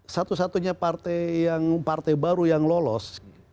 satu satunya partai yang partai baru yang lolos